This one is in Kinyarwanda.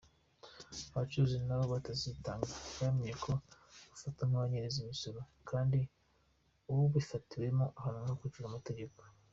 Abacuruzi nabo batazitanga bamenye ko bafatwa nk’abanyereza imisoro kandi ufifatiwemo ahanwa hakurikijwe amategeko.